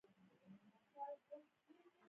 لږڅه شورمي د ځواني وًپټ ساتلی